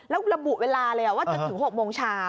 แล้วระบุเวลาเลยว่าจนถึง๖โมงเช้า